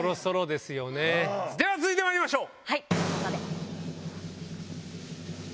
では続いてまいりましょう。